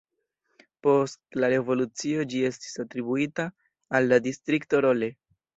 Post la revolucio ĝi estis atribuita al la Distrikto Rolle.